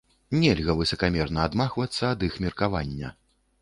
Нельга высакамерна адмахвацца ад іх меркавання.